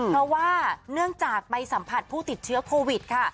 เพราะว่าเนื่องจากไปสัมผัสผู้ติดเชื้อโควิดค่ะ